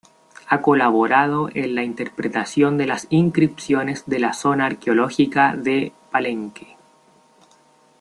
Ha colaborado en la interpretación de las inscripciones de la zona arqueológica de Palenque.